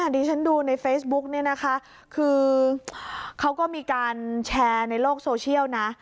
ดิฉันดูในเฟซบุ๊กเนี่ยนะคะคือเขาก็มีการแชร์ในโลกโซเชียลนะ